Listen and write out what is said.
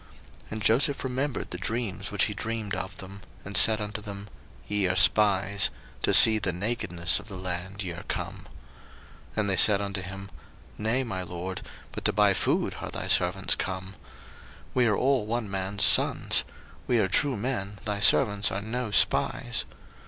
01:042:009 And Joseph remembered the dreams which he dreamed of them, and said unto them, Ye are spies; to see the nakedness of the land ye are come. 01:042:010 And they said unto him, Nay, my lord, but to buy food are thy servants come. 01:042:011 We are all one man's sons; we are true men, thy servants are no spies.